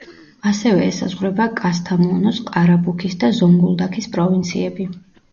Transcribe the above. ასევე ესაზღვრება კასთამონუს, ყარაბუქის და ზონგულდაქის პროვინციები.